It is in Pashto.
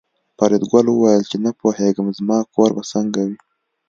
فریدګل وویل چې نه پوهېږم زما کور به څنګه وي